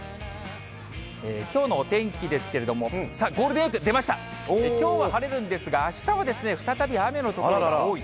きょうのお天気ですけれども、ゴールデンウィーク出ました、きょうは晴れるんですが、あしたは再び雨の所が多い。